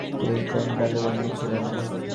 কেহই কোন কালে বদ্ধ ছিল না।